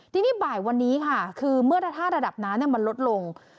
ทีนี้บ่ายวันนี้ค่ะคือเมื่อถ้าระดับน้ำมันลดลง